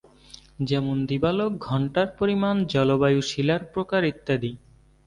যেমন দিবালোক ঘণ্টার পরিমাণ, জলবায়ু, শিলার প্রকার, ইত্যাদি।